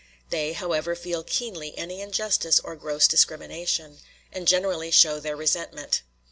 They, however, feel keenly any injustice or gross discrimination, and generally show their resentment.